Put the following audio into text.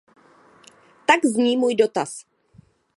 Tak zní můj dotaz.